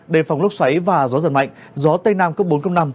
đề phòng lốc xoáy và gió giật mạnh gió tây nam cấp bốn năm